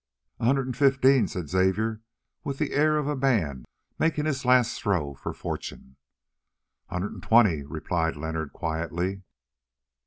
"A hundred and fifteen," said Xavier, with the air of a man making his last throw for fortune. "A hundred and twenty," replied Leonard quietly.